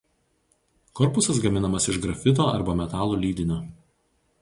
Korpusas gaminamas iš grafito arba metalų lydinio.